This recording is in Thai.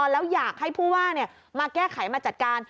แล้วอยากให้ผู้ว่ามาแก้ไขมาจัดการ